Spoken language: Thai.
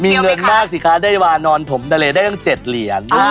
มีเงินมากสิคะได้วานอนถมทะเลได้ตั้ง๗เหรียญ